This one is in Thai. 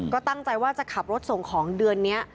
ก็ตั้งใจว่าจะขับรถส่งของเดือนนี้